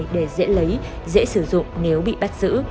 để dễ lấy dễ sử dụng nếu bị bắt giữ